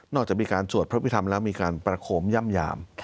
นอกจากมีการสวดพระพิธามแล้วมีการประโคมย่ำ